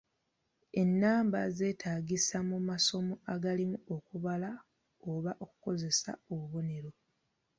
Ennamba zeetaagisa mu masomo agalimu okubala oba okukozesa obubonero.